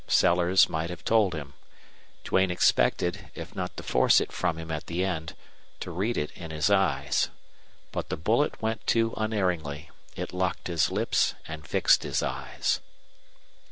Sellers might have told him. Duane expected, if not to force it from him at the end, to read it in his eyes. But the bullet went too unerringly; it locked his lips and fixed his eyes.